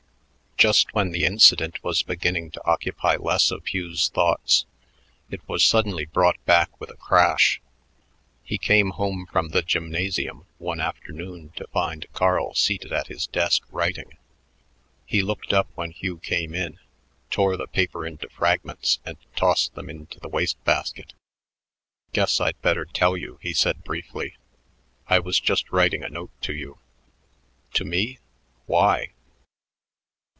Just when the Incident was beginning to occupy less of Hugh's thoughts, it was suddenly brought back with a crash. He came home from the gymnasium one afternoon to find Carl seated at his desk writing. He looked up when Hugh came in, tore the paper into fragments, and tossed them info the waste basket. "Guess I'd better tell you," he said briefly. "I was just writing a note to you." "To me? Why?"